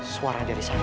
suara dari sana